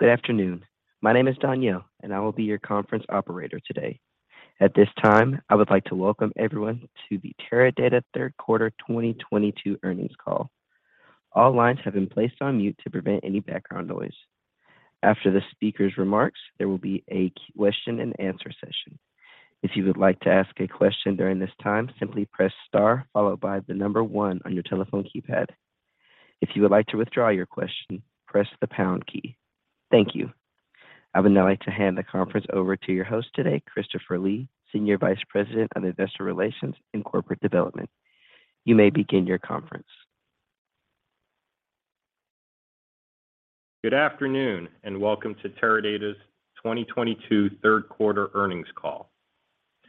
Good afternoon. My name is Danielle, and I will be your conference operator today. At this time, I would like to welcome everyone to the Teradata Third Quarter 2022 earnings call. All lines have been placed on mute to prevent any background noise. After the speaker's remarks, there will be a question and answer session. If you would like to ask a question during this time, simply press star followed by the number one on your telephone keypad. If you would like to withdraw your question, press the pound key. Thank you. I would now like to hand the conference over to your host today, Christopher Lee, Senior Vice President of Investor Relations and Corporate Development. You may begin your conference. Good afternoon, and welcome to Teradata's 2022 third quarter earnings call.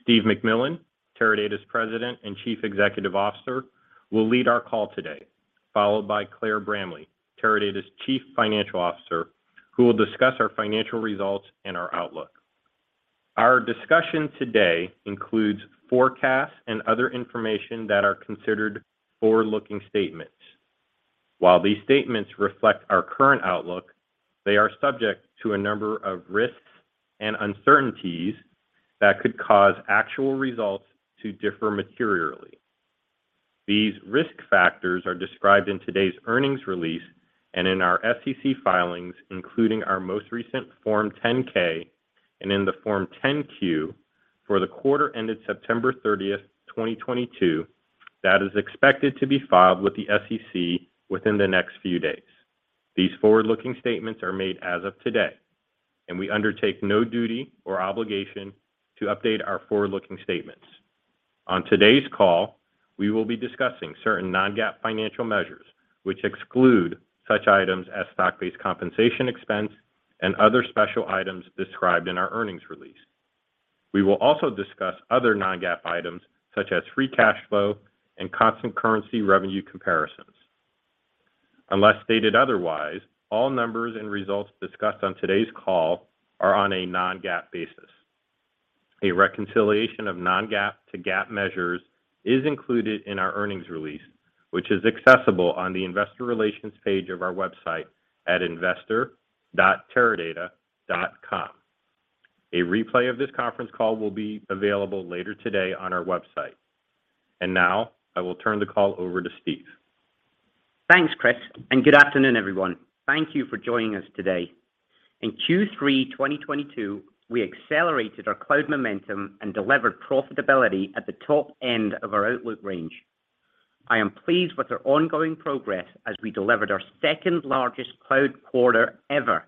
Steve McMillan, Teradata's President and Chief Executive Officer, will lead our call today, followed by Claire Bramley, Teradata's Chief Financial Officer, who will discuss our financial results and our outlook. Our discussion today includes forecasts and other information that are considered forward-looking statements. While these statements reflect our current outlook, they are subject to a number of risks and uncertainties that could cause actual results to differ materially. These risk factors are described in today's earnings release and in our SEC filings, including our most recent Form 10-K and in the Form 10-Q for the quarter ended September 30th, 2022, that is expected to be filed with the SEC within the next few days. These forward-looking statements are made as of today, and we undertake no duty or obligation to update our forward-looking statements. On today's call, we will be discussing certain non-GAAP financial measures, which exclude such items as stock-based compensation expense and other special items described in our earnings release. We will also discuss other non-GAAP items such as free cash flow and constant currency revenue comparisons. Unless stated otherwise, all numbers and results discussed on today's call are on a non-GAAP basis. A reconciliation of non-GAAP to GAAP measures is included in our earnings release, which is accessible on the investor relations page of our website at investor.teradata.com. A replay of this conference call will be available later today on our website. Now, I will turn the call over to Steve. Thanks, Chris, and good afternoon, everyone. Thank you for joining us today. In Q3 2022, we accelerated our cloud momentum and delivered profitability at the top end of our outlook range. I am pleased with our ongoing progress as we delivered our second-largest cloud quarter ever.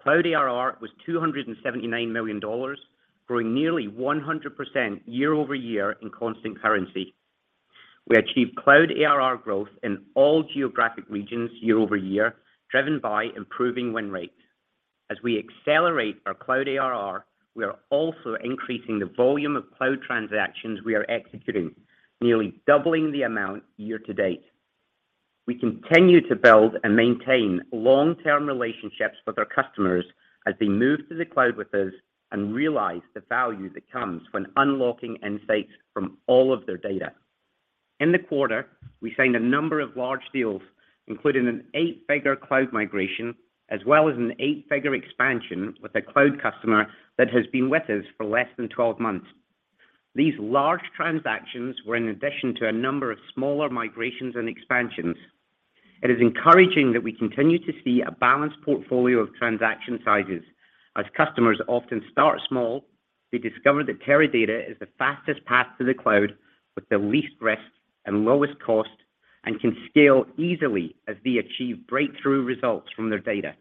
Cloud ARR was $279 million, growing nearly 100% year-over-year in constant currency. We achieved cloud ARR growth in all geographic regions year-over-year, driven by improving win rates. As we accelerate our cloud ARR, we are also increasing the volume of cloud transactions we are executing, nearly doubling the amount year to date. We continue to build and maintain long-term relationships with our customers as they move to the cloud with us and realize the value that comes when unlocking insights from all of their data. In the quarter, we signed a number of large deals, including an eight-figure cloud migration, as well as an eight-figure expansion with a cloud customer that has been with us for less than 12 months. These large transactions were in addition to a number of smaller migrations and expansions. It is encouraging that we continue to see a balanced portfolio of transaction sizes. As customers often start small, they discover that Teradata is the fastest path to the cloud with the least risk and lowest cost and can scale easily as they achieve breakthrough results from their data.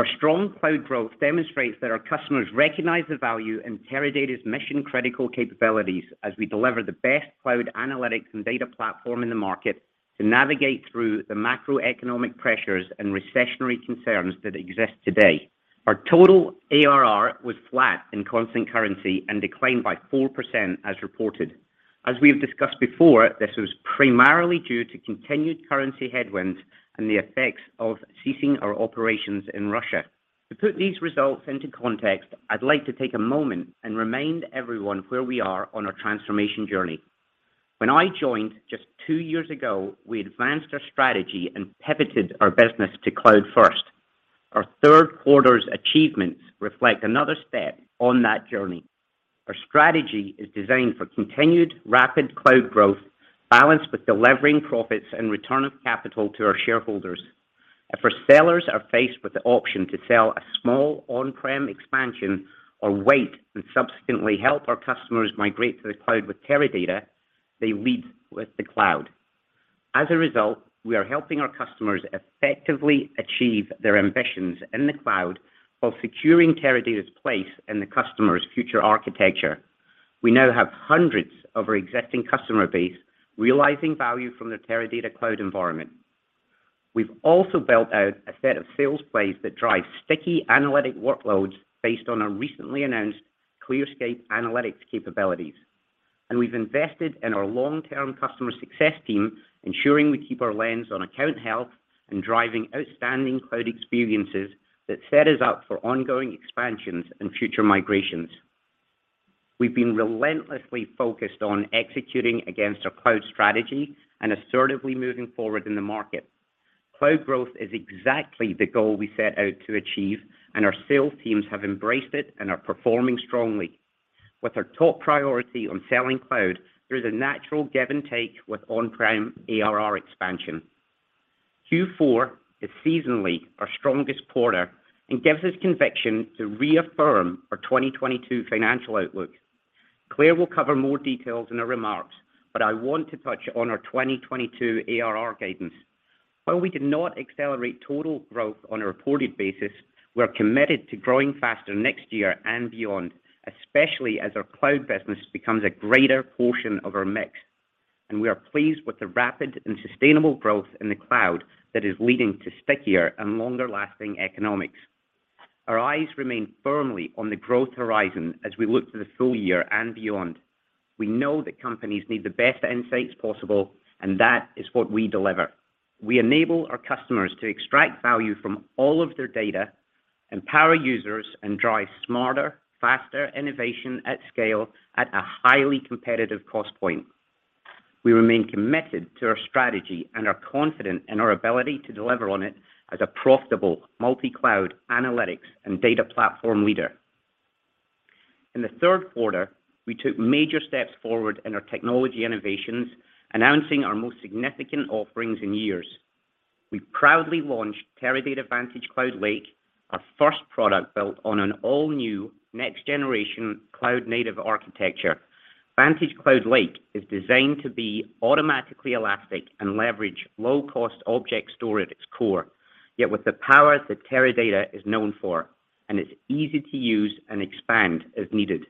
Our strong cloud growth demonstrates that our customers recognize the value in Teradata's mission-critical capabilities as we deliver the best cloud analytics and data platform in the market to navigate through the macroeconomic pressures and recessionary concerns that exist today. Our total ARR was flat in constant currency and declined by 4% as reported. As we have discussed before, this was primarily due to continued currency headwinds and the effects of ceasing our operations in Russia. To put these results into context, I'd like to take a moment and remind everyone where we are on our transformation journey. When I joined just two years ago, we advanced our strategy and pivoted our business to cloud first. Our third quarter's achievements reflect another step on that journey. Our strategy is designed for continued rapid cloud growth, balanced with delivering profits and return of capital to our shareholders. If our sellers are faced with the option to sell a small on-prem expansion or wait and subsequently help our customers migrate to the cloud with Teradata, they lead with the cloud. As a result, we are helping our customers effectively achieve their ambitions in the cloud while securing Teradata's place in the customer's future architecture. We now have hundreds of our existing customer base realizing value from the Teradata cloud environment. We've also built out a set of sales plays that drive sticky analytic workloads based on our recently announced ClearScape Analytics capabilities, and we've invested in our long-term customer success team, ensuring we keep our lens on account health and driving outstanding cloud experiences that set us up for ongoing expansions and future migrations. We've been relentlessly focused on executing against our cloud strategy and assertively moving forward in the market. Cloud growth is exactly the goal we set out to achieve, and our sales teams have embraced it and are performing strongly. With our top priority on selling cloud, there is a natural give and take with on-prem ARR expansion. Q4 is seasonally our strongest quarter and gives us conviction to reaffirm our 2022 financial outlook. Claire will cover more details in her remarks, but I want to touch on our 2022 ARR guidance. While we did not accelerate total growth on a reported basis, we're committed to growing faster next year and beyond, especially as our cloud business becomes a greater portion of our mix, and we are pleased with the rapid and sustainable growth in the cloud that is leading to stickier and longer-lasting economics. Our eyes remain firmly on the growth horizon as we look to the full year and beyond. We know that companies need the best insights possible, and that is what we deliver. We enable our customers to extract value from all of their data, empower users, and drive smarter, faster innovation at scale at a highly competitive cost point. We remain committed to our strategy and are confident in our ability to deliver on it as a profitable multi-cloud analytics and data platform leader. In the third quarter, we took major steps forward in our technology innovations, announcing our most significant offerings in years. We proudly launched Teradata VantageCloud Lake, our first product built on an all-new next generation cloud-native architecture. VantageCloud Lake is designed to be automatically elastic and leverage low-cost object storage at its core, yet with the power that Teradata is known for, and it's easy to use and expand as needed.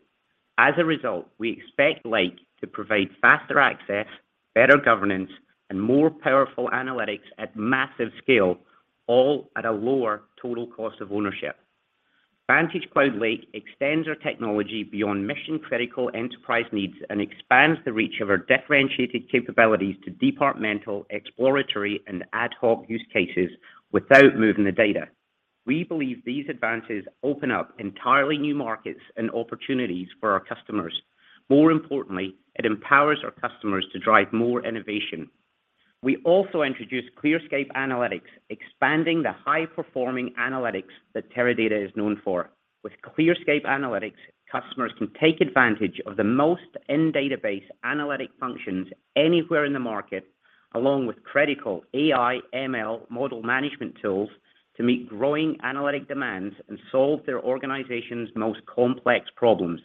As a result, we expect Lake to provide faster access, better governance, and more powerful analytics at massive scale, all at a lower total cost of ownership. VantageCloud Lake extends our technology beyond mission-critical enterprise needs and expands the reach of our differentiated capabilities to departmental, exploratory, and ad hoc use cases without moving the data. We believe these advances open up entirely new markets and opportunities for our customers. More importantly, it empowers our customers to drive more innovation. We also introduced ClearScape Analytics, expanding the high-performing analytics that Teradata is known for. With ClearScape Analytics, customers can take advantage of the most in-database analytic functions anywhere in the market, along with critical AI/ML model management tools to meet growing analytic demands and solve their organization's most complex problems.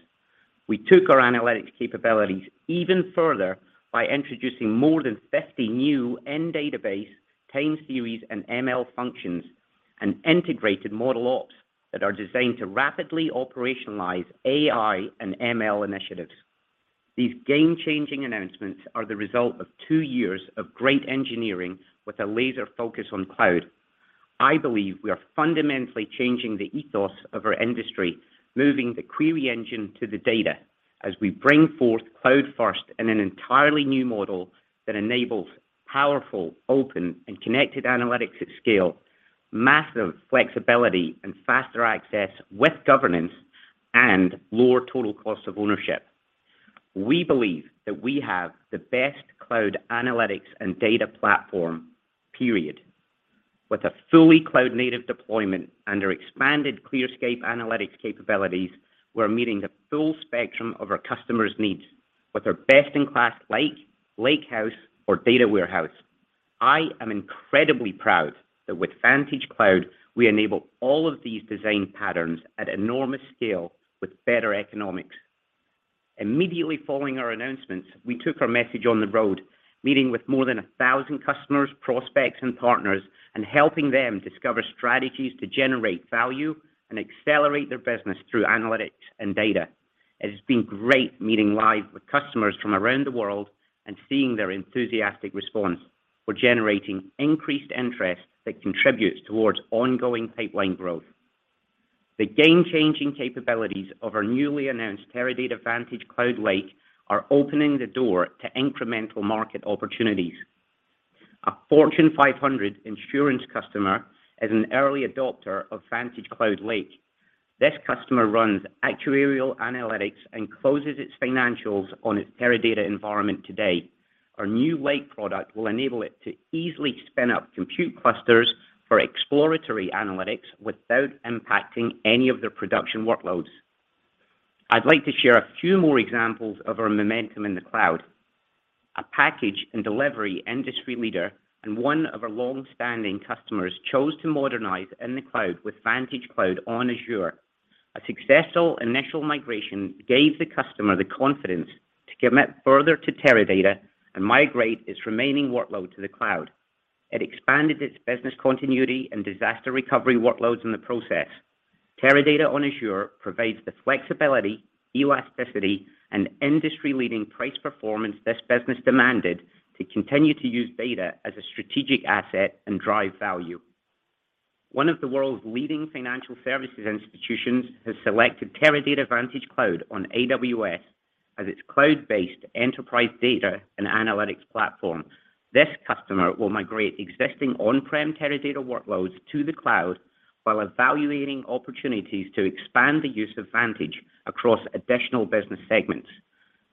We took our analytics capabilities even further by introducing more than 50 new in-database time series and ML functions and integrated ModelOps that are designed to rapidly operationalize AI and ML initiatives. These game-changing announcements are the result of two years of great engineering with a laser focus on cloud. I believe we are fundamentally changing the ethos of our industry, moving the query engine to the data as we bring forth cloud first in an entirely new model that enables powerful, open, and connected analytics at scale, massive flexibility and faster access with governance, and lower total cost of ownership. We believe that we have the best cloud analytics and data platform, period. With a fully cloud-native deployment and our expanded ClearScape Analytics capabilities, we're meeting the full spectrum of our customers' needs with our best-in-class lake house, or data warehouse. I am incredibly proud that with VantageCloud, we enable all of these design patterns at enormous scale with better economics. Immediately following our announcements, we took our message on the road, meeting with more than 1,000 customers, prospects, and partners, and helping them discover strategies to generate value and accelerate their business through analytics and data. It has been great meeting live with customers from around the world and seeing their enthusiastic response. We're generating increased interest that contributes towards ongoing pipeline growth. The game-changing capabilities of our newly announced Teradata VantageCloud Lake are opening the door to incremental market opportunities. A Fortune 500 insurance customer is an early adopter of VantageCloud Lake. This customer runs actuarial analytics and closes its financials on its Teradata environment today. Our new Lake product will enable it to easily spin up compute clusters for exploratory analytics without impacting any of their production workloads. I'd like to share a few more examples of our momentum in the cloud. A package and delivery industry leader and one of our long-standing customers chose to modernize in the cloud with VantageCloud on Azure. A successful initial migration gave the customer the confidence to commit further to Teradata and migrate its remaining workload to the cloud. It expanded its business continuity and disaster recovery workloads in the process. Teradata on Azure provides the flexibility, elasticity, and industry-leading price performance this business demanded to continue to use data as a strategic asset and drive value. One of the world's leading financial services institutions has selected Teradata VantageCloud on AWS as its cloud-based enterprise data and analytics platform. This customer will migrate existing on-prem Teradata workloads to the cloud while evaluating opportunities to expand the use of Vantage across additional business segments.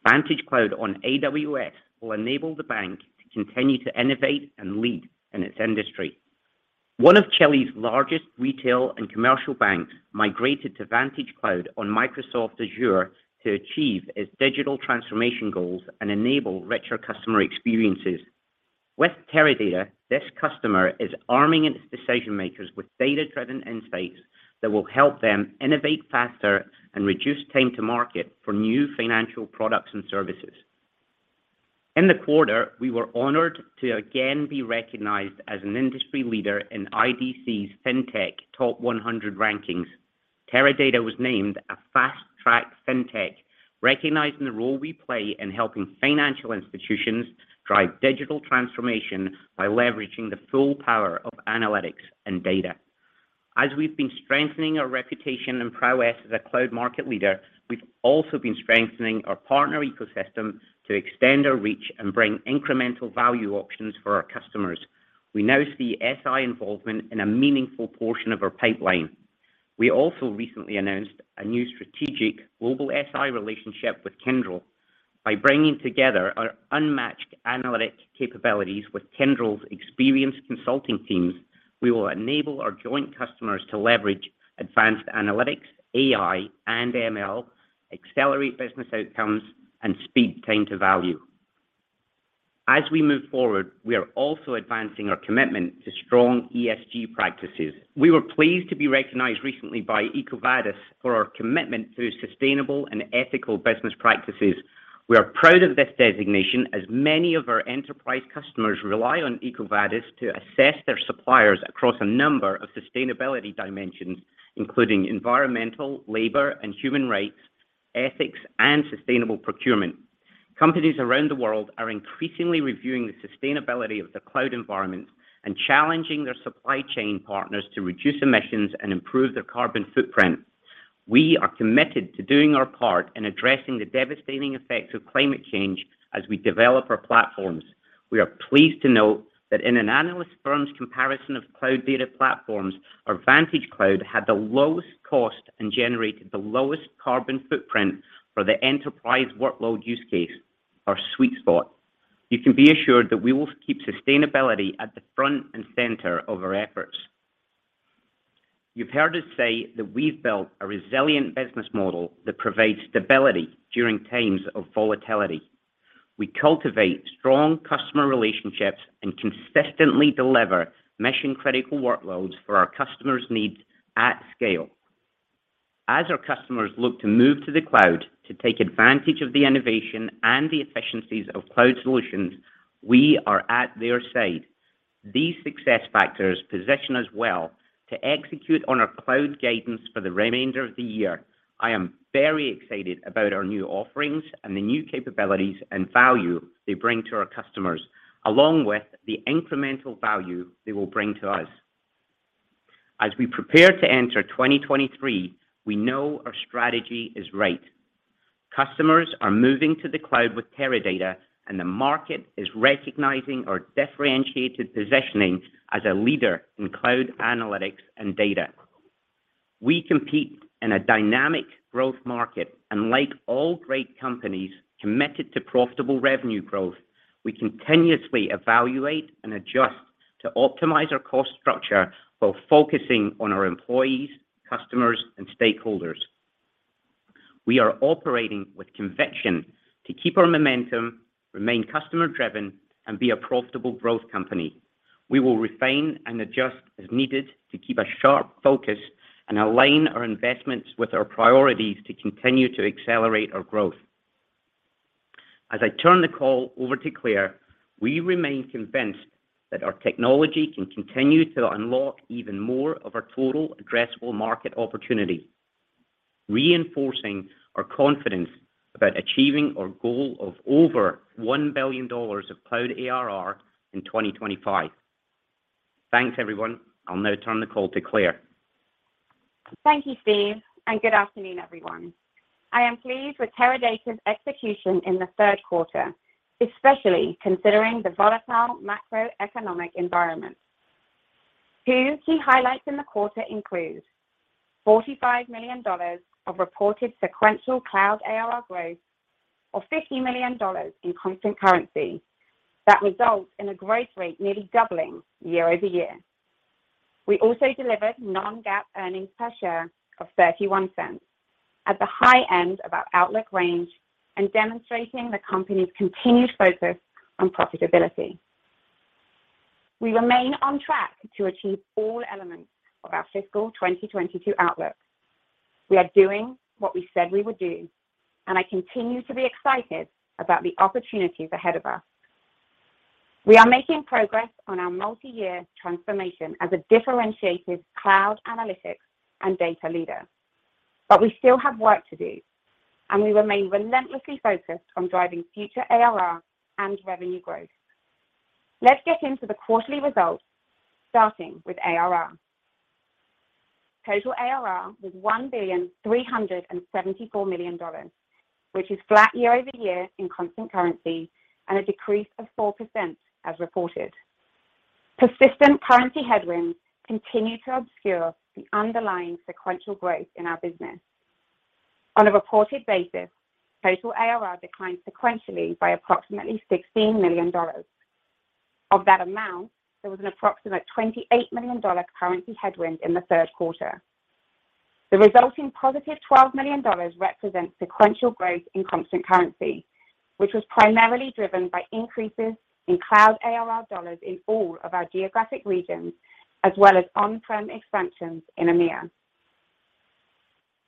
VantageCloud on AWS will enable the bank to continue to innovate and lead in its industry. One of Chile's largest retail and commercial banks migrated to VantageCloud on Microsoft Azure to achieve its digital transformation goals and enable richer customer experiences. With Teradata, this customer is arming its decision-makers with data-driven insights that will help them innovate faster and reduce time to market for new financial products and services. In the quarter, we were honored to again be recognized as an industry leader in IDC's FinTech Top 100 rankings. Teradata was named a fast-track FinTech, recognizing the role we play in helping financial institutions drive digital transformation by leveraging the full power of analytics and data. As we've been strengthening our reputation and prowess as a cloud market leader, we've also been strengthening our partner ecosystem to extend our reach and bring incremental value options for our customers. We now see SI involvement in a meaningful portion of our pipeline. We also recently announced a new strategic global SI relationship with Kyndryl. By bringing together our unmatched analytic capabilities with Kyndryl's experienced consulting teams, we will enable our joint customers to leverage advanced analytics, AI, and ML, accelerate business outcomes, and speed time to value. As we move forward, we are also advancing our commitment to strong ESG practices. We were pleased to be recognized recently by EcoVadis for our commitment to sustainable and ethical business practices. We are proud of this designation, as many of our enterprise customers rely on EcoVadis to assess their suppliers across a number of sustainability dimensions, including environmental, labor and human rights, ethics, and sustainable procurement. Companies around the world are increasingly reviewing the sustainability of the cloud environment and challenging their supply chain partners to reduce emissions and improve their carbon footprint. We are committed to doing our part in addressing the devastating effects of climate change as we develop our platforms. We are pleased to note that in an analyst firm's comparison of cloud data platforms, our VantageCloud had the lowest cost and generated the lowest carbon footprint for the enterprise workload use case, our sweet spot. You can be assured that we will keep sustainability at the front and center of our efforts. You've heard us say that we've built a resilient business model that provides stability during times of volatility. We cultivate strong customer relationships and consistently deliver mission-critical workloads for our customers' needs at scale. As our customers look to move to the cloud to take advantage of the innovation and the efficiencies of cloud solutions, we are at their side. These success factors position us well to execute on our cloud guidance for the remainder of the year. I am very excited about our new offerings and the new capabilities and value they bring to our customers, along with the incremental value they will bring to us. As we prepare to enter 2023, we know our strategy is right. Customers are moving to the cloud with Teradata, and the market is recognizing our differentiated positioning as a leader in cloud analytics and data. We compete in a dynamic growth market, and like all great companies committed to profitable revenue growth, we continuously evaluate and adjust to optimize our cost structure while focusing on our employees, customers, and stakeholders. We are operating with conviction to keep our momentum, remain customer-driven, and be a profitable growth company. We will refine and adjust as needed to keep a sharp focus and align our investments with our priorities to continue to accelerate our growth. As I turn the call over to Claire, we remain convinced that our technology can continue to unlock even more of our total addressable market opportunity, reinforcing our confidence about achieving our goal of over $1 billion of cloud ARR in 2025. Thanks, everyone. I'll now turn the call to Claire. Thank you, Steve, and good afternoon, everyone. I am pleased with Teradata's execution in the third quarter, especially considering the volatile macroeconomic environment. Two key highlights in the quarter include $45 million of reported sequential cloud ARR growth of $50 million in constant currency. That results in a growth rate nearly doubling year-over-year. We also delivered non-GAAP earnings per share of $0.31 at the high end of our outlook range and demonstrating the company's continued focus on profitability. We remain on track to achieve all elements of our fiscal 2022 outlook. We are doing what we said we would do, and I continue to be excited about the opportunities ahead of us. We are making progress on our multi-year transformation as a differentiated cloud analytics and data leader. We still have work to do, and we remain relentlessly focused on driving future ARR and revenue growth. Let's get into the quarterly results, starting with ARR. Total ARR was $1.374 billion, which is flat year-over-year in constant currency and a decrease of 4% as reported. Persistent currency headwinds continue to obscure the underlying sequential growth in our business. On a reported basis, total ARR declined sequentially by approximately $16 million. Of that amount, there was an approximate $28 million currency headwind in the third quarter. The resulting positive $12 million represents sequential growth in constant currency, which was primarily driven by increases in cloud ARR dollars in all of our geographic regions, as well as on-prem expansions in EMEIA.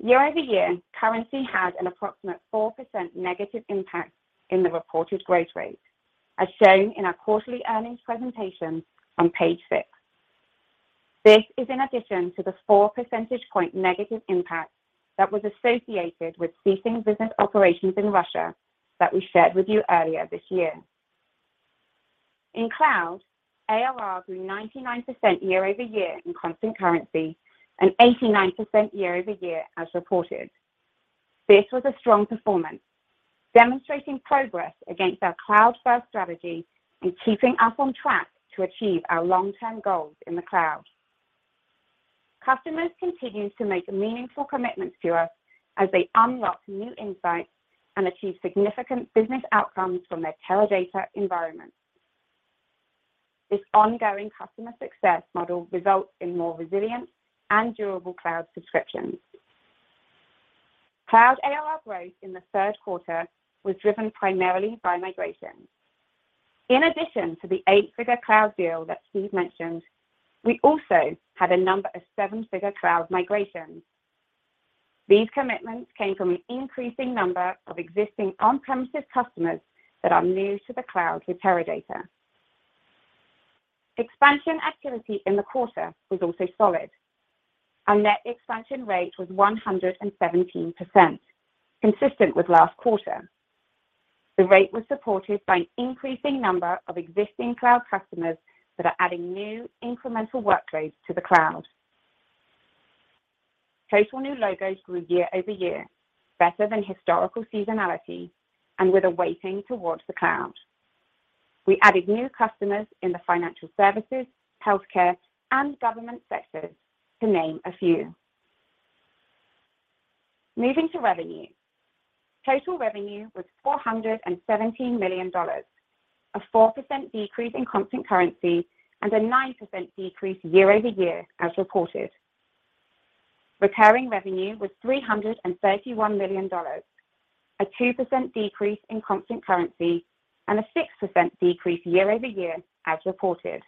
Year-over-year, currency had an approximate 4% negative impact in the reported growth rate, as shown in our quarterly earnings presentation on page six. This is in addition to the 4 percentage point negative impact that was associated with ceasing business operations in Russia that we shared with you earlier this year. In cloud, ARR grew 99% year-over-year in constant currency and 89% year-over-year as reported. This was a strong performance, demonstrating progress against our cloud-first strategy and keeping us on track to achieve our long-term goals in the cloud. Customers continue to make meaningful commitments to us as they unlock new insights and achieve significant business outcomes from their Teradata environment. This ongoing customer success model results in more resilient and durable cloud subscriptions. Cloud ARR growth in the third quarter was driven primarily by migration. In addition to the eight-figure cloud deal that Steve mentioned, we also had a number of seven-figure cloud migrations. These commitments came from an increasing number of existing on-premises customers that are new to the cloud with Teradata. Expansion activity in the quarter was also solid. Our net expansion rate was 117%, consistent with last quarter. The rate was supported by an increasing number of existing cloud customers that are adding new incremental workloads to the cloud. Total new logos grew year-over-year, better than historical seasonality and with a weighting towards the cloud. We added new customers in the financial services, healthcare, and government sectors, to name a few. Moving to revenue. Total revenue was $417 million, a 4% decrease in constant currency and a 9% decrease year-over-year as reported. Recurring revenue was $331 million, a 2% decrease in constant currency and a 6% decrease year-over-year as reported.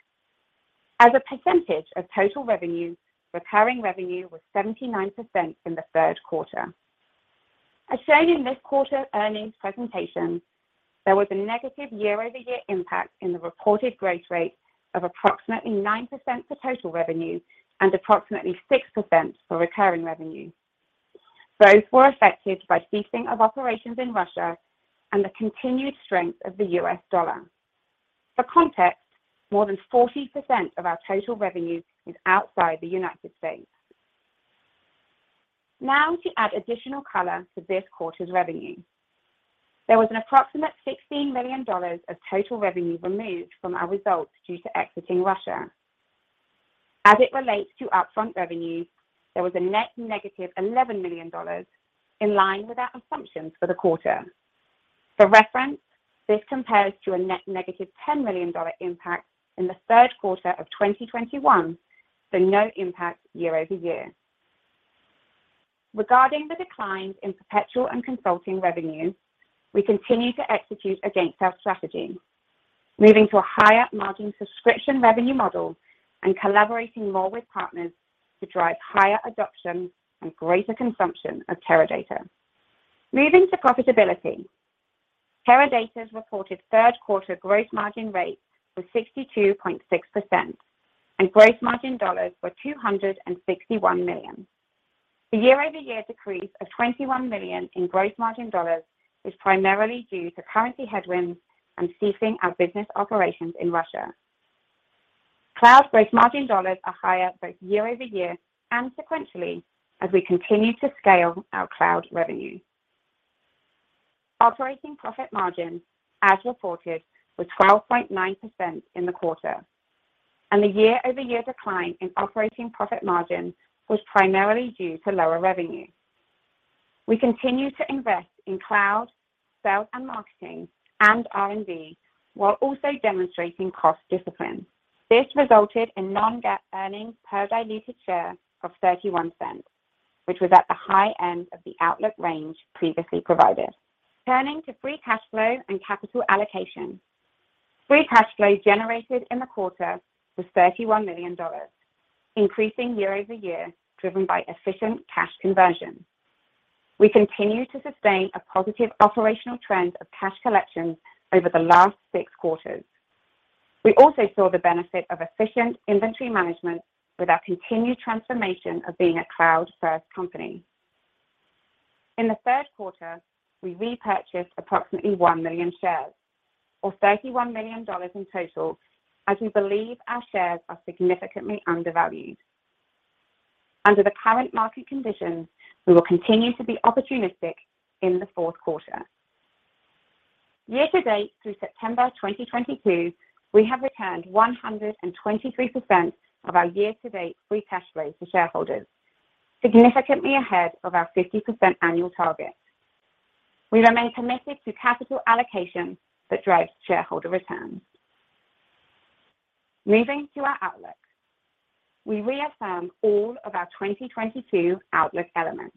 As a percentage of total revenue, recurring revenue was 79% in the third quarter. As shown in this quarter's earnings presentation, there was a negative year-over-year impact in the reported growth rate of approximately 9% for total revenue and approximately 6% for recurring revenue. Both were affected by ceasing of operations in Russia and the continued strength of the U.S. dollar. For context, more than 40% of our total revenue is outside the United States. Now to add additional color to this quarter's revenue. There was an approximate $16 million of total revenue removed from our results due to exiting Russia. As it relates to upfront revenue, there was a net negative $11 million in line with our assumptions for the quarter. For reference, this compares to a net negative $10 million impact in the third quarter of 2021, so no impact year-over-year. Regarding the declines in perpetual and consulting revenue, we continue to execute against our strategy, moving to a higher margin subscription revenue model and collaborating more with partners to drive higher adoption and greater consumption of Teradata. Moving to profitability. Teradata's reported third quarter gross margin rate was 62.6%, and gross margin dollars were $261 million. The year-over-year decrease of $21 million in gross margin dollars is primarily due to currency headwinds and ceasing our business operations in Russia. Cloud gross margin dollars are higher both year-over-year and sequentially as we continue to scale our cloud revenue. Operating profit margin, as reported, was 12.9% in the quarter, and the year-over-year decline in operating profit margin was primarily due to lower revenue. We continue to invest in cloud, sales and marketing, and R&D, while also demonstrating cost discipline. This resulted in non-GAAP earnings per diluted share of $0.31, which was at the high end of the outlook range previously provided. Turning to free cash flow and capital allocation. Free cash flow generated in the quarter was $31 million, increasing year-over-year, driven by efficient cash conversion. We continue to sustain a positive operational trend of cash collections over the last six quarters. We also saw the benefit of efficient inventory management with our continued transformation of being a cloud-first company. In the third quarter, we repurchased approximately 1 million shares or $31 million in total as we believe our shares are significantly undervalued. Under the current market conditions, we will continue to be opportunistic in the fourth quarter. Year to date through September 2022, we have returned 123% of our year-to-date free cash flow to shareholders, significantly ahead of our 50% annual target. We remain committed to capital allocation that drives shareholder returns. Moving to our outlook. We reaffirm all of our 2022 outlook elements.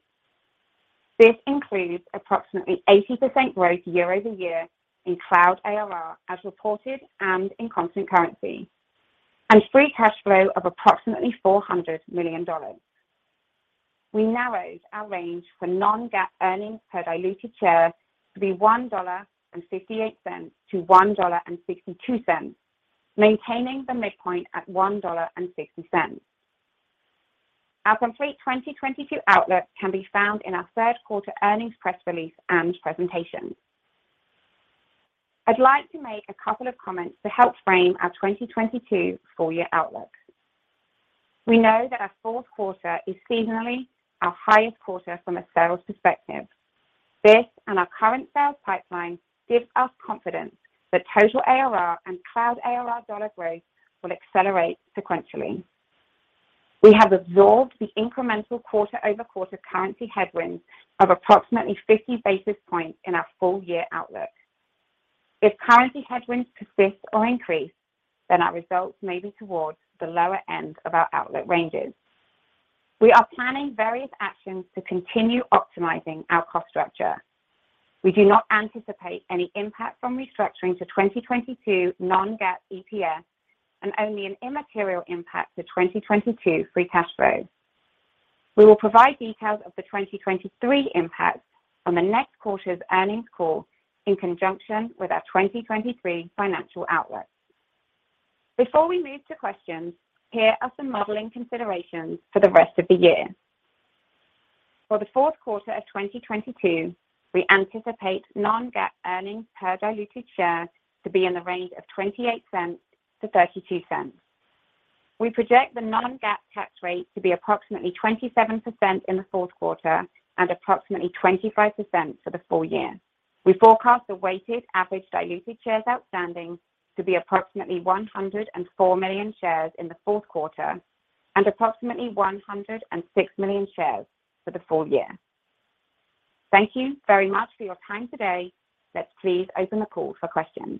This includes approximately 80% growth year-over-year in cloud ARR as reported and in constant currency, and free cash flow of approximately $400 million. We narrowed our range for non-GAAP earnings per diluted share to $1.58-$1.62, maintaining the midpoint at $1.60. Our complete 2022 outlook can be found in our third quarter earnings press release and presentation. I'd like to make a couple of comments to help frame our 2022 full year outlook. We know that our fourth quarter is seasonally our highest quarter from a sales perspective. This and our current sales pipeline gives us confidence that total ARR and cloud ARR dollar growth will accelerate sequentially. We have absorbed the incremental quarter-over-quarter currency headwinds of approximately 50 basis points in our full year outlook. If currency headwinds persist or increase, then our results may be towards the lower end of our outlook ranges. We are planning various actions to continue optimizing our cost structure. We do not anticipate any impact from restructuring to 2022 non-GAAP EPS and only an immaterial impact to 2022 free cash flow. We will provide details of the 2023 impacts on the next quarter's earnings call in conjunction with our 2023 financial outlook. Before we move to questions, here are some modeling considerations for the rest of the year. For the fourth quarter of 2022, we anticipate non-GAAP earnings per diluted share to be in the range of $0.28-$0.32. We project the non-GAAP tax rate to be approximately 27% in the fourth quarter and approximately 25% for the full year. We forecast the weighted average diluted shares outstanding to be approximately 104 million shares in the fourth quarter and approximately 106 million shares for the full year. Thank you very much for your time today. Let's please open the call for questions.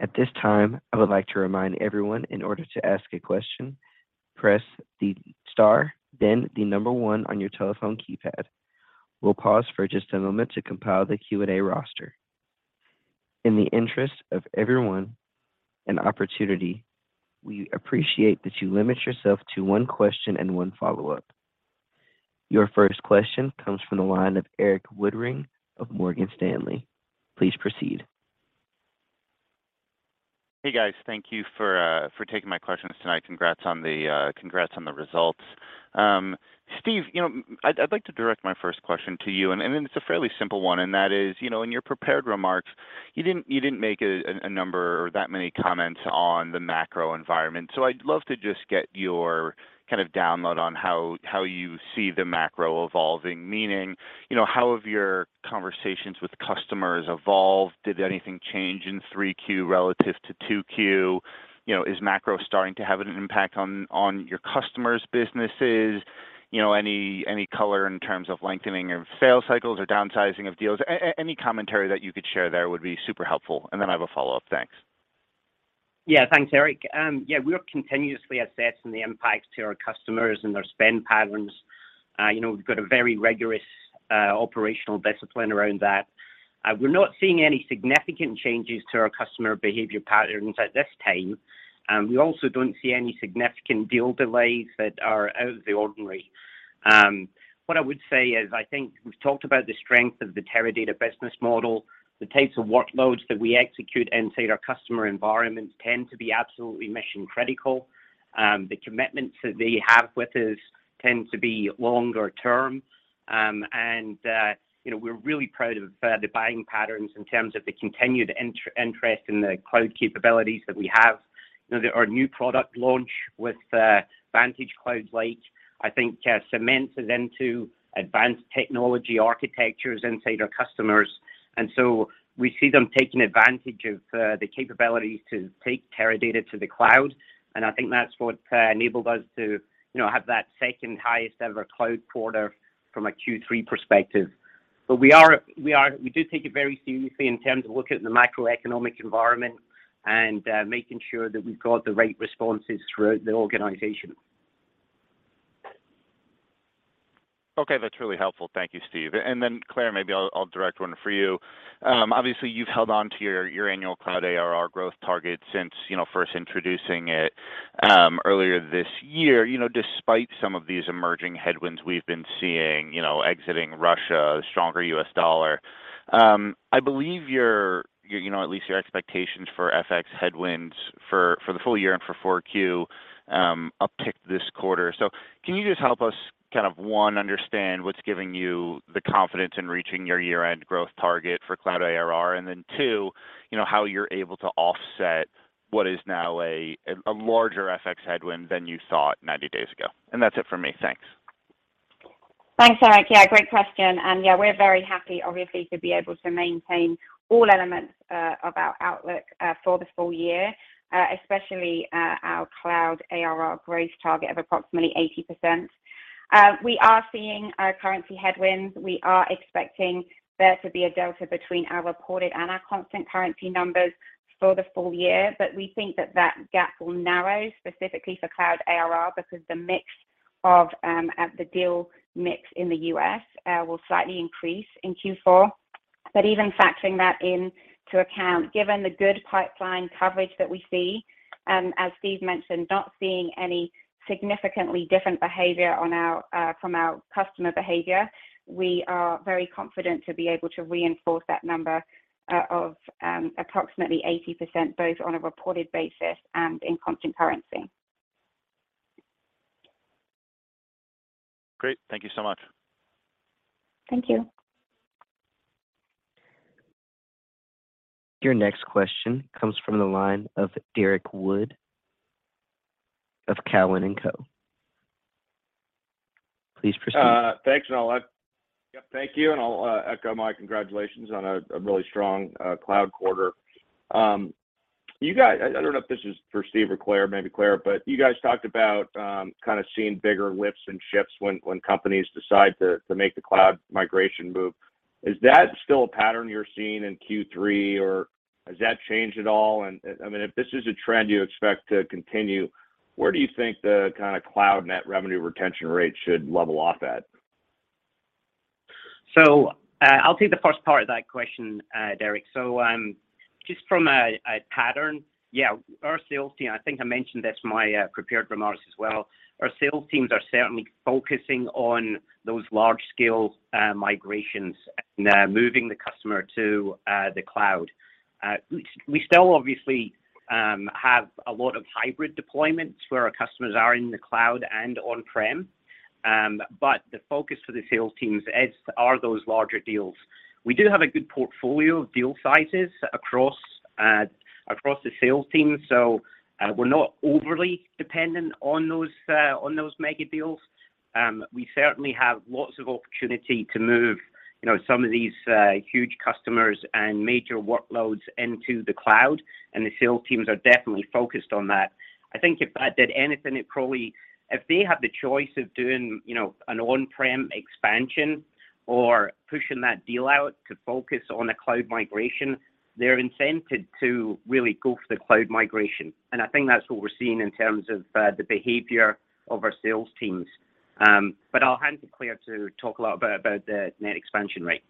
At this time, I would like to remind everyone, in order to ask a question, press the star, then the number one on your telephone keypad. We'll pause for just a moment to compile the Q&A roster. In the interest of everyone an opportunity, we appreciate that you limit yourself to one question and one follow-up. Your first question comes from the line of Erik Woodring of Morgan Stanley. Please proceed. Hey, guys. Thank you for taking my questions tonight. Congrats on the results. Steve, you know, I'd like to direct my first question to you, and then it's a fairly simple one, and that is, you know, in your prepared remarks, you didn't make a number or that many comments on the macro environment. So I'd love to just get your kind of lowdown on how you see the macro evolving. Meaning, you know, how have your conversations with customers evolved? Did anything change in 3Q relative to 2Q? You know, is macro starting to have an impact on your customers' businesses? You know, any color in terms of lengthening of sales cycles or downsizing of deals? Any commentary that you could share there would be super helpful, and then I have a follow-up. Thanks. Yeah. Thanks, Erik. Yeah, we are continuously assessing the impact to our customers and their spend patterns. You know, we've got a very rigorous operational discipline around that. We're not seeing any significant changes to our customer behavior patterns at this time. We also don't see any significant deal delays that are out of the ordinary. What I would say is, I think we've talked about the strength of the Teradata business model. The types of workloads that we execute inside our customer environments tend to be absolutely mission-critical. The commitments that they have with us tend to be longer term. And, you know, we're really proud of the buying patterns in terms of the continued interest in the cloud capabilities that we have. You know, our new product launch with VantageCloud Lake, I think, cements us into advanced technology architectures inside our customers. We see them taking advantage of the capabilities to take Teradata to the cloud, and I think that's what enabled us to, you know, have that second-highest-ever cloud quarter from a Q3 perspective. We do take it very seriously in terms of looking at the macroeconomic environment and making sure that we've got the right responses throughout the organization. Okay. That's really helpful. Thank you, Steve. Claire, maybe I'll direct one for you. Obviously, you've held on to your annual cloud ARR growth target since you know first introducing it earlier this year. You know, despite some of these emerging headwinds we've been seeing, you know, exiting Russia, stronger U.S. dollar. I believe you know at least your expectations for FX headwinds for the full year and for 4Q uptick this quarter. Can you just help us kind of one, understand what's giving you the confidence in reaching your year-end growth target for cloud ARR? Two, you know, how you're able to offset what is now a larger FX headwind than you saw it 90 days ago. That's it for me. Thanks. Thanks, Erik. Yeah, great question. Yeah, we're very happy obviously to be able to maintain all elements of our outlook for the full year, especially our cloud ARR growth target of approximately 80%. We are seeing currency headwinds. We are expecting there to be a delta between our reported and our constant currency numbers for the full year. But we think that that gap will narrow specifically for cloud ARR because the mix of the deal mix in the U.S. will slightly increase in Q4. Even factoring that into account, given the good pipeline coverage that we see, as Steve mentioned, not seeing any significantly different behavior from our customer behavior, we are very confident to be able to reinforce that number of approximately 80%, both on a reported basis and in constant currency. Great. Thank you so much. Thank you. Your next question comes from the line of Derrick Wood of Cowen and Co. Please proceed. Thank you, and I'll echo my congratulations on a really strong cloud quarter. You guys, I don't know if this is for Steve or Claire, maybe Claire. But you guys talked about kind of seeing bigger lifts and shifts when companies decide to make the cloud migration move. Is that still a pattern you're seeing in Q3, or has that changed at all? I mean, if this is a trend you expect to continue, where do you think the kinda cloud net revenue retention rate should level off at? I'll take the first part of that question, Derrick. Just from a pattern, yeah, our sales team, I think I mentioned this in my prepared remarks as well. Our sales teams are certainly focusing on those large scale migrations and moving the customer to the cloud. We still obviously have a lot of hybrid deployments where our customers are in the cloud and on-prem, but the focus for the sales teams is those larger deals. We do have a good portfolio of deal sizes across the sales team, so we're not overly dependent on those mega deals. We certainly have lots of opportunity to move, you know, some of these huge customers and major workloads into the cloud, and the sales teams are definitely focused on that. I think if that did anything, if they have the choice of doing, you know, an on-prem expansion or pushing that deal out to focus on a cloud migration, they're incented to really go for the cloud migration. I think that's what we're seeing in terms of the behavior of our sales teams. I'll hand to Claire to talk a lot about the net expansion rate.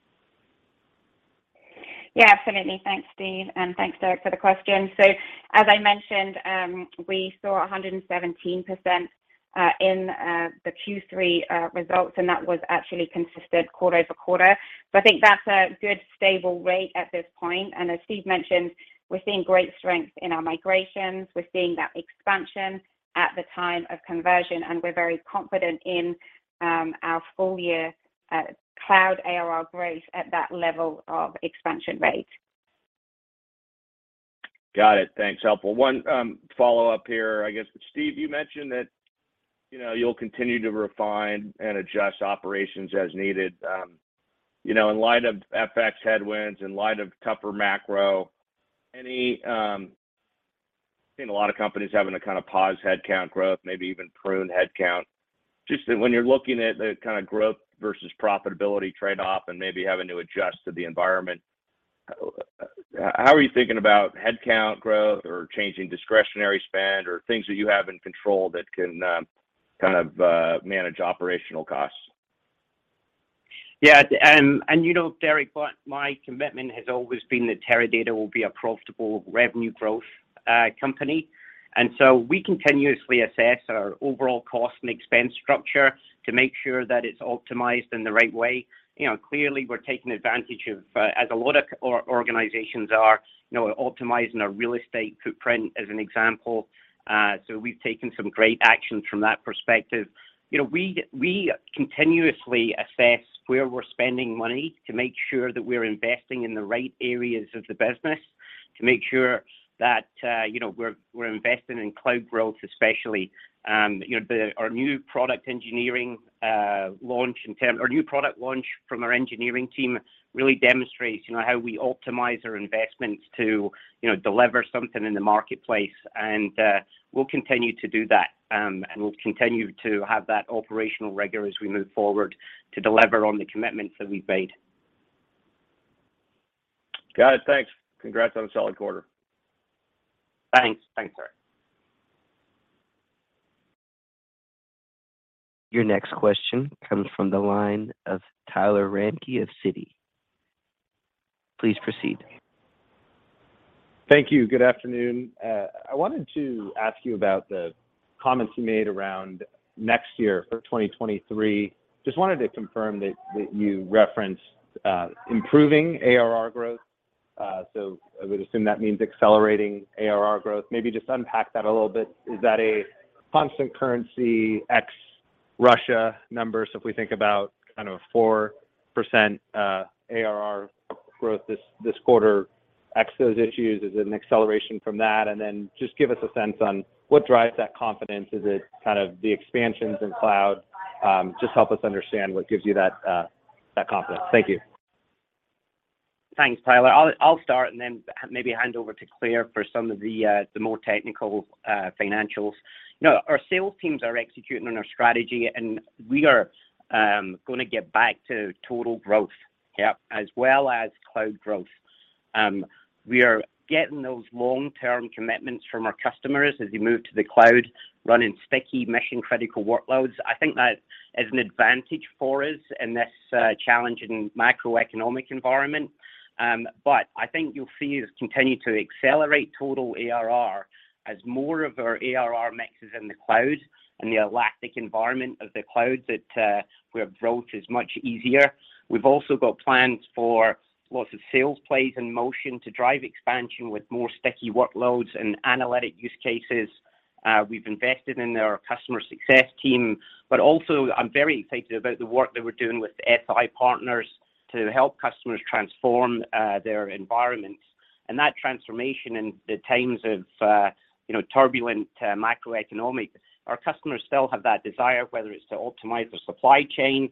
Yeah, absolutely. Thanks, Steve, and thanks, Derrick, for the question. As I mentioned, we saw 117% in the Q3 results, and that was actually consistent quarter-over-quarter. I think that's a good stable rate at this point. As Steve mentioned, we're seeing great strength in our migrations. We're seeing that expansion at the time of conversion, and we're very confident in our full year cloud ARR growth at that level of expansion rate. Got it. Thanks. Helpful. One follow-up here, I guess. Steve, you mentioned that, you know, you'll continue to refine and adjust operations as needed, you know, in light of FX headwinds, in light of tougher macro. I've seen a lot of companies having to kind of pause headcount growth, maybe even prune headcount. Just when you're looking at the kinda growth versus profitability trade-off and maybe having to adjust to the environment, how are you thinking about headcount growth or changing discretionary spend or things that you have in control that can kind of manage operational costs? Yeah. You know, Derrick, my commitment has always been that Teradata will be a profitable revenue growth company. We continuously assess our overall cost and expense structure to make sure that it's optimized in the right way. You know, clearly we're taking advantage of, as a lot of organizations are, you know, optimizing our real estate footprint, as an example. We've taken some great actions from that perspective. You know, we continuously assess where we're spending money to make sure that we're investing in the right areas of the business, to make sure that, you know, we're investing in cloud growth, especially. Our new product launch from our engineering team really demonstrates, you know, how we optimize our investments to, you know, deliver something in the marketplace. We'll continue to do that, and we'll continue to have that operational rigor as we move forward to deliver on the commitments that we've made. Got it. Thanks. Congrats on a solid quarter. Thanks. Thanks, Derrick. Your next question comes from the line of Tyler Radke of Citi. Please proceed. Thank you. Good afternoon. I wanted to ask you about the comments you made around next year for 2023. Just wanted to confirm that you referenced improving ARR growth. So I would assume that means accelerating ARR growth. Maybe just unpack that a little bit. Is that a constant currency ex Russia numbers? If we think about kind of a 4% ARR growth this quarter ex those issues, is it an acceleration from that? Then just give us a sense on what drives that confidence. Is it kind of the expansions in cloud? Just help us understand what gives you that confidence. Thank you. Thanks, Tyler. I'll start and then maybe hand over to Claire for some of the more technical financials. No, our sales teams are executing on our strategy, and we are gonna get back to total growth. Yep, as well as cloud growth. We are getting those long-term commitments from our customers as they move to the cloud, running sticky mission-critical workloads. I think that is an advantage for us in this challenging macroeconomic environment. But I think you'll see us continue to accelerate total ARR as more of our ARR mixes in the cloud and the elastic environment of the cloud where growth is much easier. We've also got plans for lots of sales plays in motion to drive expansion with more sticky workloads and analytic use cases. We've invested in our customer success team. I'm very excited about the work that we're doing with SI partners to help customers transform their environments. That transformation in the times of you know turbulent macroeconomic, our customers still have that desire, whether it's to optimize their supply chain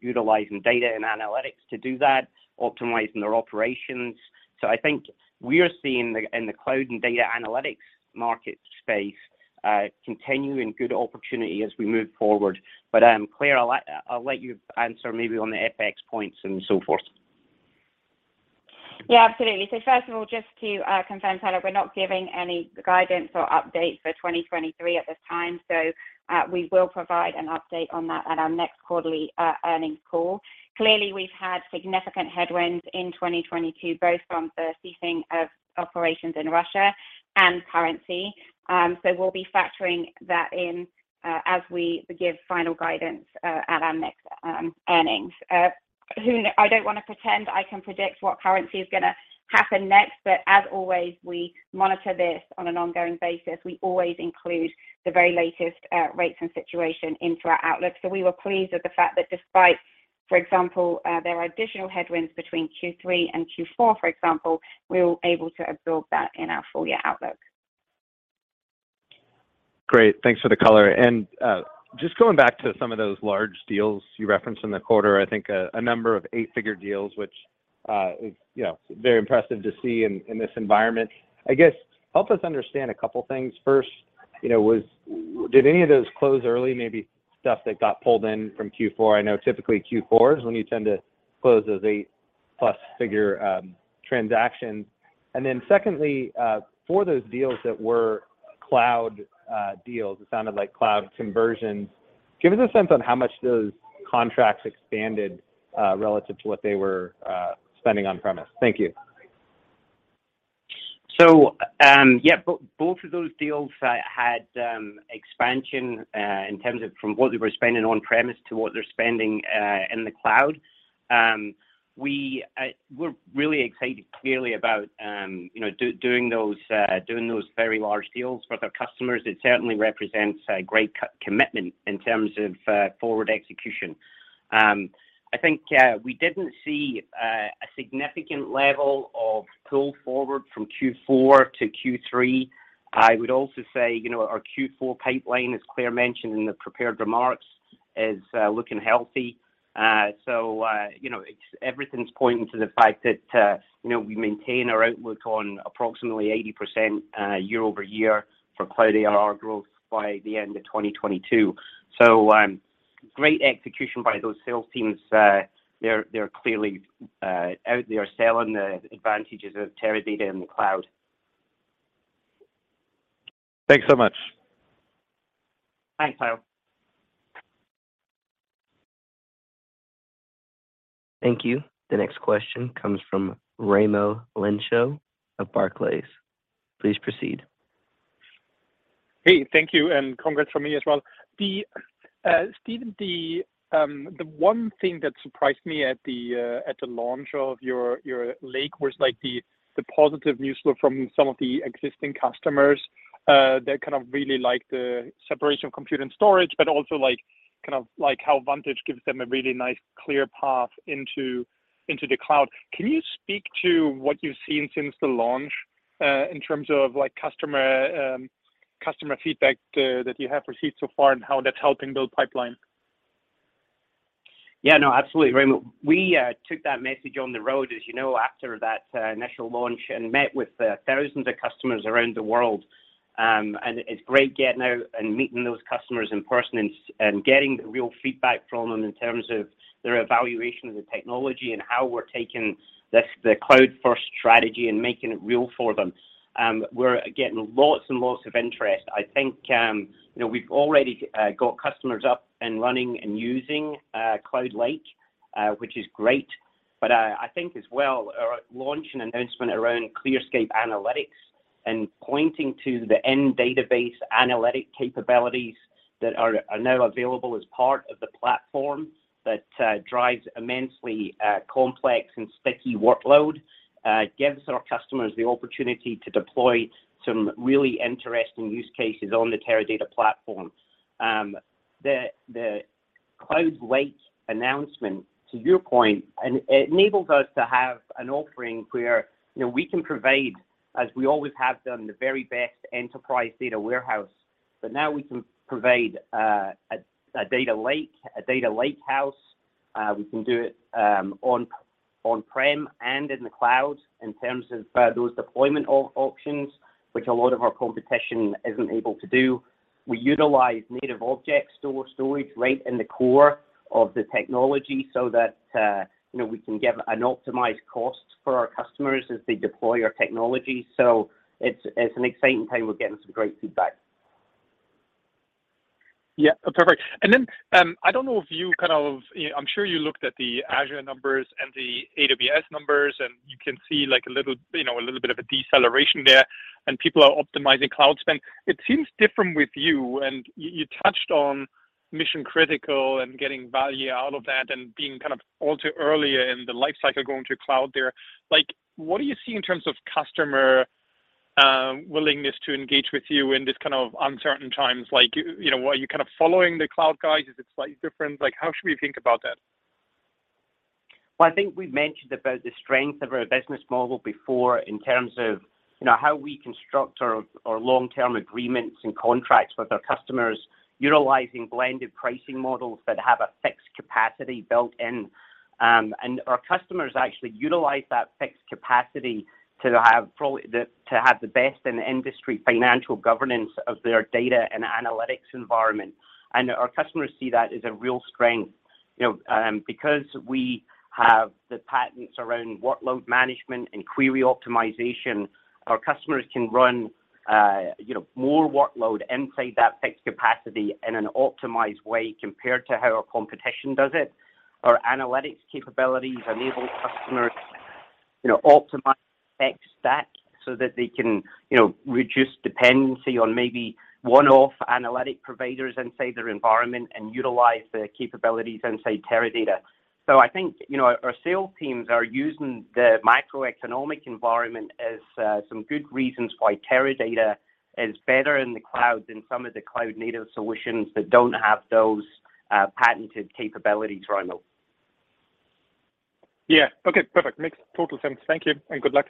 utilizing data and analytics to do that, optimizing their operations. I think we are seeing in the cloud and data analytics market space continuing good opportunity as we move forward. Claire, I'll let you answer maybe on the FX points and so forth. Yeah, absolutely. First of all, just to confirm, Tyler, we're not giving any guidance or update for 2023 at this time, we will provide an update on that at our next quarterly earnings call. Clearly, we've had significant headwinds in 2022, both from the ceasing of operations in Russia and currency. We'll be factoring that in as we give final guidance at our next earnings. I don't want to pretend I can predict what currency is gonna happen next, but as always, we monitor this on an ongoing basis. We always include the very latest rates and situation into our outlook. We were pleased with the fact that despite, for example, there are additional headwinds between Q3 and Q4, for example, we were able to absorb that in our full year outlook. Great. Thanks for the color. Just going back to some of those large deals you referenced in the quarter. I think a number of eight-figure deals, which is, you know, very impressive to see in this environment. I guess help us understand a couple things. First, you know, did any of those close early, maybe stuff that got pulled in from Q4? I know typically Q4 is when you tend to close those eight-plus-figure transactions. Secondly, for those deals that were cloud deals, it sounded like cloud conversions. Give us a sense on how much those contracts expanded relative to what they were spending on-premise. Thank you. Both of those deals had expansion in terms of from what they were spending on-premise to what they're spending in the cloud. We're really excited clearly about, you know, doing those very large deals for their customers. It certainly represents a great co-commitment in terms of forward execution. I think we didn't see a significant level of pull forward from Q4 to Q3. I would also say, you know, our Q4 pipeline, as Claire mentioned in the prepared remarks, is looking healthy. You know, everything's pointing to the fact that, you know, we maintain our outlook on approximately 80% year-over-year for cloud ARR growth by the end of 2022. Great execution by those sales teams. They're clearly out there selling the advantages of Teradata in the cloud. Thanks so much. Thanks, Tyler. Thank you. The next question comes from Raimo Lenschow of Barclays. Please proceed. Hey, thank you, and congrats from me as well. Steve, the one thing that surprised me at the launch of your Lake was like the positive news from some of the existing customers that kind of really like the separation of compute and storage, but also like kind of like how Vantage gives them a really nice, clear path into the cloud. Can you speak to what you've seen since the launch in terms of like customer feedback that you have received so far and how that's helping build pipeline? Yeah, no, absolutely, Raimo. We took that message on the road, as you know, after that initial launch and met with thousands of customers around the world. It's great getting out and meeting those customers in person and getting the real feedback from them in terms of their evaluation of the technology and how we're taking this, the cloud-first strategy and making it real for them. We're getting lots and lots of interest. I think, you know, we've already got customers up and running and using VantageCloud Lake, which is great. I think as well our launch and announcement around ClearScape Analytics and pointing to the in-database analytic capabilities that are now available as part of the platform that drives immensely complex and sticky workload gives our customers the opportunity to deploy some really interesting use cases on the Teradata platform. The VantageCloud Lake announcement, to your point, and it enables us to have an offering where, you know, we can provide, as we always have done, the very best enterprise data warehouse. Now we can provide a data lake, a data lake house. We can do it on-prem and in the cloud in terms of those deployment options, which a lot of our competition isn't able to do. We utilize native object store storage right in the core of the technology so that, you know, we can give an optimized cost for our customers as they deploy our technology. It's an exciting time. We're getting some great feedback. Yeah. Perfect. I don't know if you kind of, you know, I'm sure you looked at the Azure numbers and the AWS numbers, and you can see like a little, you know, a little bit of a deceleration there, and people are optimizing cloud spend. It seems different with you, and you touched on mission-critical and getting value out of that and being kind of all too early in the life cycle going to cloud there. Like, what do you see in terms of customer willingness to engage with you in this kind of uncertain times? Like, you know, are you kind of following the cloud guys? Is it slightly different? Like, how should we think about that? Well, I think we've mentioned about the strength of our business model before in terms of, you know, how we construct our long-term agreements and contracts with our customers, utilizing blended pricing models that have a fixed capacity built in. Our customers actually utilize that fixed capacity to have the best in the industry financial governance of their data and analytics environment, and our customers see that as a real strength. You know, because we have the patents around workload management and query optimization, our customers can run, you know, more workload inside that fixed capacity in an optimized way compared to how our competition does it. Our analytics capabilities enable customers, you know, optimize tech stack so that they can, you know, reduce dependency on maybe one-off analytic providers inside their environment and utilize the capabilities inside Teradata. I think, you know, our sales teams are using the microeconomic environment as some good reasons why Teradata is better in the cloud than some of the cloud-native solutions that don't have those patented capabilities Raimo. Yeah. Okay, perfect. Makes total sense. Thank you, and good luck.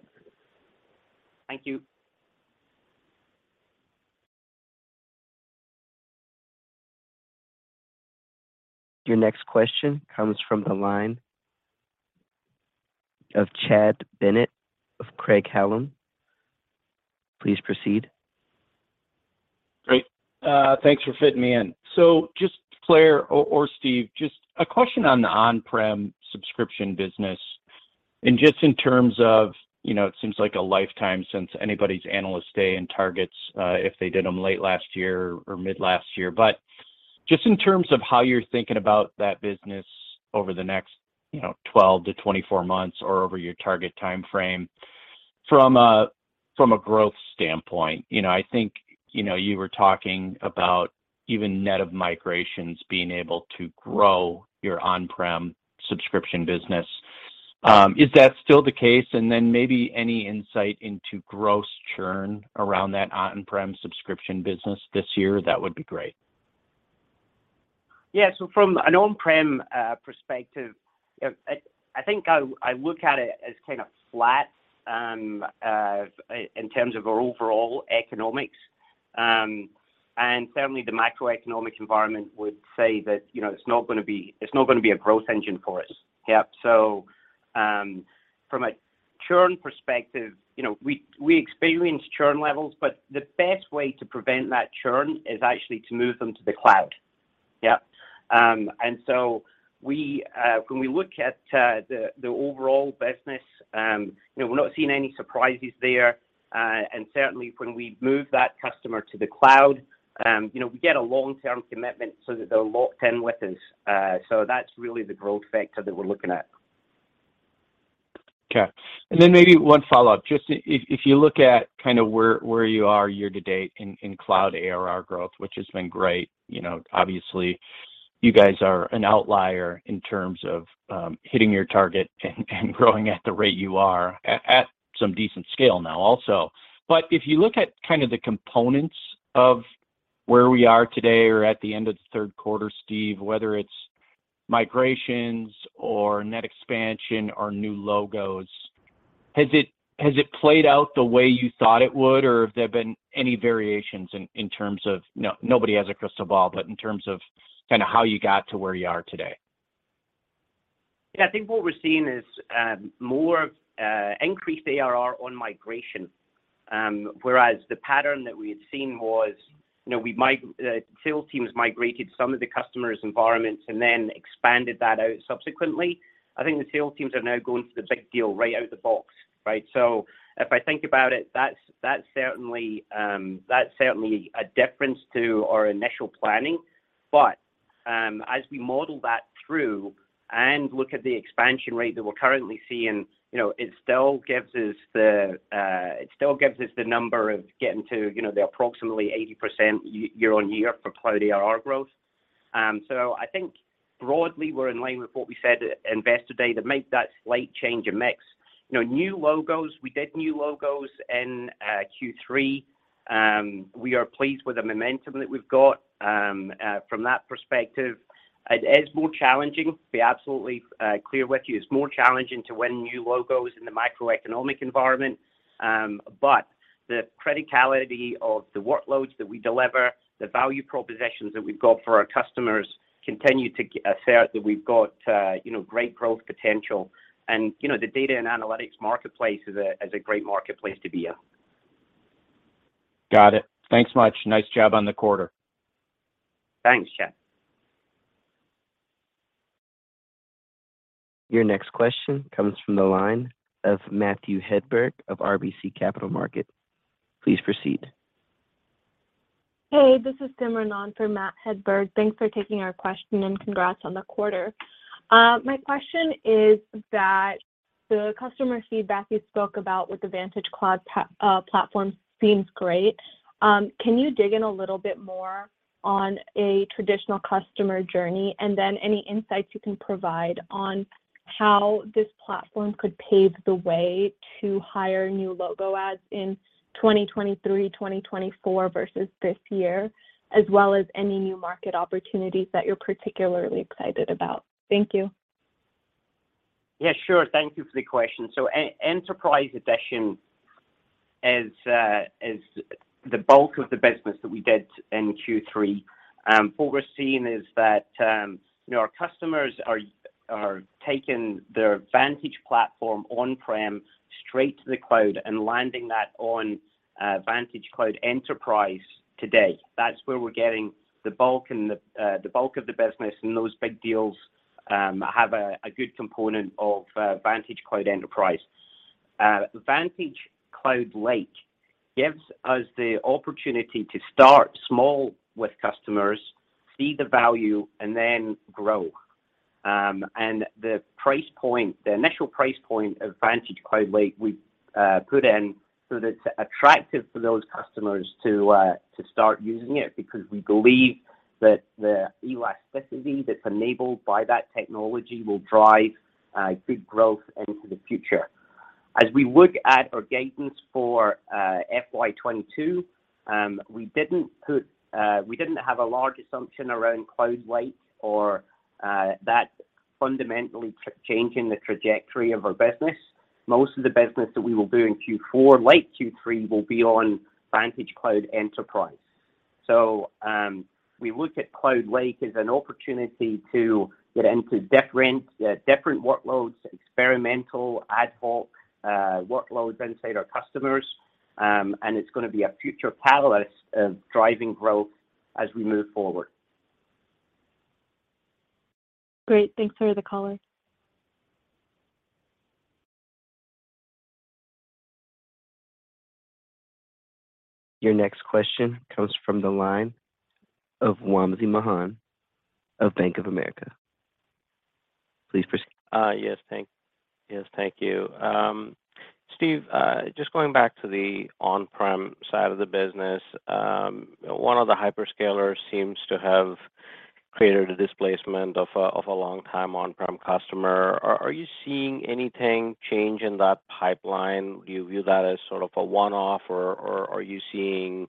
Thank you. Your next question comes from the line of Chad Bennett of Craig-Hallum. Please proceed. Great. Thanks for fitting me in. Just, Claire or Steve, just a question on the on-prem subscription business, and just in terms of, you know, it seems like a lifetime since anybody's analyst day and targets, if they did them late last year or mid last year. Just in terms of how you're thinking about that business over the next, you know, 12-24 months or over your target timeframe from a, from a growth standpoint. You know, I think, you know, you were talking about even net of migrations being able to grow your on-prem subscription business. Is that still the case? And then maybe any insight into gross churn around that on-prem subscription business this year, that would be great. Yeah. From an on-prem perspective, I think I look at it as kind of flat in terms of our overall economics. Certainly the macroeconomic environment would say that, you know, it's not gonna be a growth engine for us. Yep. From a churn perspective, you know, we experience churn levels, but the best way to prevent that churn is actually to move them to the cloud. Yep. When we look at the overall business, you know, we're not seeing any surprises there. Certainly when we move that customer to the cloud, you know, we get a long-term commitment so that they're locked in with us. That's really the growth factor that we're looking at. Okay. Maybe one follow-up. Just if you look at kind of where you are year to date in cloud ARR growth, which has been great. You know, obviously you guys are an outlier in terms of hitting your target and growing at the rate you are at some decent scale now also. If you look at kind of the components of where we are today or at the end of the third quarter, Steve, whether it's migrations or net expansion or new logos, has it played out the way you thought it would, or have there been any variations in terms of. No, nobody has a crystal ball, but in terms of kind of how you got to where you are today? Yeah, I think what we're seeing is more increased ARR on migration. Whereas the pattern that we had seen was, you know, sales teams migrated some of the customers' environments and then expanded that out subsequently. I think the sales teams are now going for the big deal right out the box, right? If I think about it, that's certainly a difference to our initial planning. As we model that through and look at the expansion rate that we're currently seeing, you know, it still gives us the number of getting to, you know, the approximately 80% year-on-year for cloud ARR growth. I think broadly we're in line with what we said at Investor Day that made that slight change in mix. You know, new logos, we did new logos in Q3. We are pleased with the momentum that we've got from that perspective. It is more challenging, to be absolutely clear with you. It's more challenging to win new logos in the macroeconomic environment. But the criticality of the workloads that we deliver, the value propositions that we've got for our customers continue to assert that we've got you know, great growth potential. You know, the data and analytics marketplace is a great marketplace to be in. Got it. Thanks much. Nice job on the quarter. Thanks, Chad. Your next question comes from the line of Matthew Hedberg of RBC Capital Markets. Please proceed. Hey, this is Simran on for Matt Hedberg. Thanks for taking our question, and congrats on the quarter. My question is that the customer feedback you spoke about with the VantageCloud platform seems great. Can you dig in a little bit more on a traditional customer journey? Any insights you can provide on how this platform could pave the way to higher new logo adds in 2023, 2024 versus this year, as well as any new market opportunities that you're particularly excited about. Thank you. Yeah, sure. Thank you for the question. Enterprise Edition is the bulk of the business that we did in Q3. What we're seeing is that, you know, our customers are taking their Vantage platform on-prem straight to the cloud and landing that on VantageCloud Enterprise today. That's where we're getting the bulk of the business, and those big deals have a good component of VantageCloud Enterprise. VantageCloud Lake gives us the opportunity to start small with customers, see the value, and then grow. The price point, the initial price point of VantageCloud Lake we put in so that it's attractive for those customers to start using it, because we believe that the elasticity that's enabled by that technology will drive big growth into the future. As we look at our guidance for FY 2022, we didn't have a large assumption around Cloud Lake or that fundamentally changing the trajectory of our business. Most of the business that we will do in Q4, late Q3, will be on VantageCloud Enterprise. We look at Cloud Lake as an opportunity to get into different workloads, experimental, ad hoc workloads inside our customers. It's gonna be a future catalyst of driving growth as we move forward. Great. Thanks for the color. Your next question comes from the line of Wamsi Mohan of Bank of America. Please proceed. Yes, thank you. Steve, just going back to the on-prem side of the business. One of the hyperscalers seems to have created a displacement of a long time on-prem customer. Are you seeing anything change in that pipeline? Do you view that as sort of a one-off, or are you seeing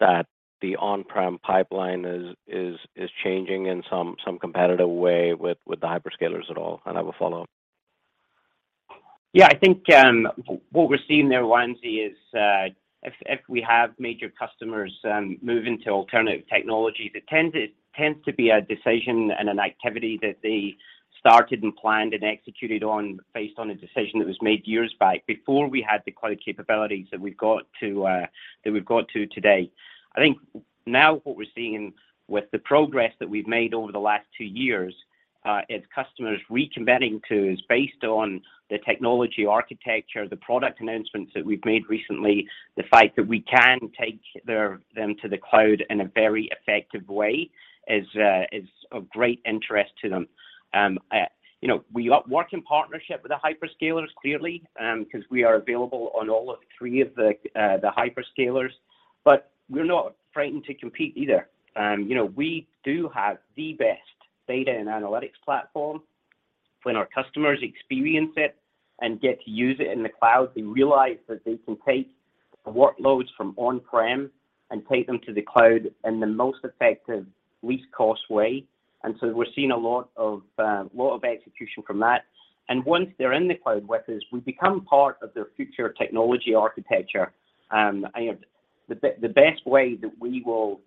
that the on-prem pipeline is changing in some competitive way with the hyperscalers at all? I have a follow-up. Yeah. I think what we're seeing there, Wamsi, is if we have major customers moving to alternative technology, that tends to be a decision and an activity that they started and planned and executed on based on a decision that was made years back, before we had the cloud capabilities that we've got today. I think now what we're seeing with the progress that we've made over the last two years is customers reconvening. It is based on the technology architecture, the product announcements that we've made recently. The fact that we can take them to the cloud in a very effective way is of great interest to them. You know, we work in partnership with the hyperscalers, clearly, 'cause we are available on all three of the hyperscalers, but we're not frightened to compete either. You know, we do have the best data and analytics platform. When our customers experience it and get to use it in the cloud, they realize that they can take workloads from on-prem and take them to the cloud in the most effective, least cost way. We're seeing a lot of execution from that. Once they're in the cloud with us, we become part of their future technology architecture. The best way that we will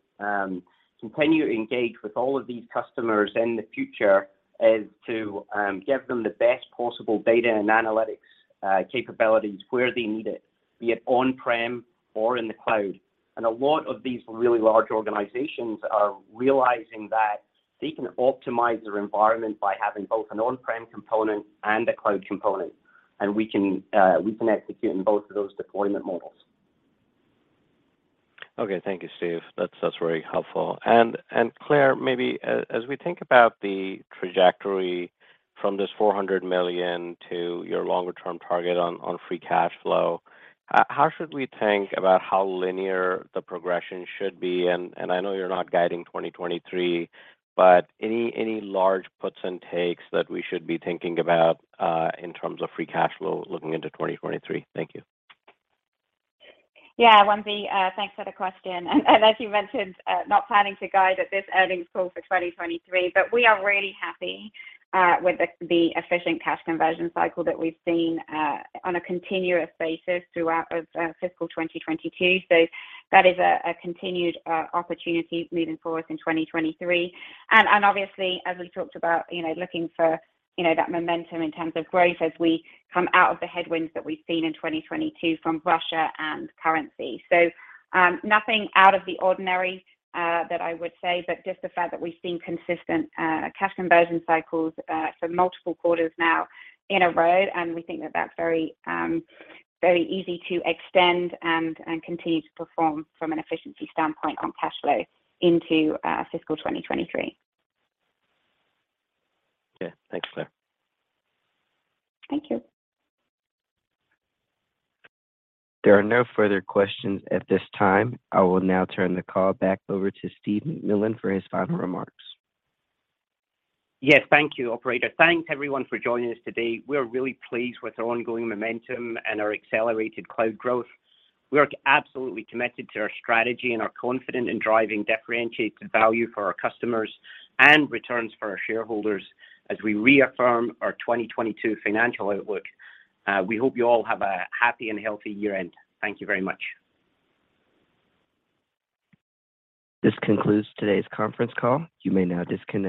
continue to engage with all of these customers in the future is to give them the best possible data and analytics capabilities where they need it, be it on-prem or in the cloud. A lot of these really large organizations are realizing that they can optimize their environment by having both an on-prem component and a cloud component. We can execute in both of those deployment models. Okay. Thank you, Steve. That's very helpful. Claire, maybe as we think about the trajectory from this $400 million to your longer-term target on free cash flow, how should we think about how linear the progression should be? I know you're not guiding 2023, but any large puts and takes that we should be thinking about in terms of free cash flow looking into 2023? Thank you. Yeah, Wamsi, thanks for the question. As you mentioned, not planning to guide at this earnings call for 2023, but we are really happy with the efficient cash conversion cycle that we've seen on a continuous basis throughout fiscal 2022. That is a continued opportunity moving forward in 2023. Obviously, as we talked about, you know, looking for, you know, that momentum in terms of growth as we come out of the headwinds that we've seen in 2022 from Russia and currency. Nothing out of the ordinary, that I would say, but just the fact that we've seen consistent cash conversion cycles for multiple quarters now in a row, and we think that that's very very easy to extend and continue to perform from an efficiency standpoint on cash flow into fiscal 2023. Okay. Thanks, Claire. Thank you. There are no further questions at this time. I will now turn the call back over to Steve McMillan for his final remarks. Yes, thank you, operator. Thanks everyone for joining us today. We're really pleased with our ongoing momentum and our accelerated cloud growth. We are absolutely committed to our strategy and are confident in driving differentiated value for our customers and returns for our shareholders as we reaffirm our 2022 financial outlook. We hope you all have a happy and healthy year-end. Thank you very much. This concludes today's conference call. You may now disconnect.